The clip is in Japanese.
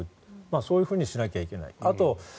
そういうふうにしないといけない。